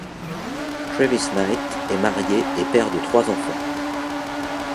Travis Knight est marié et père de trois enfants.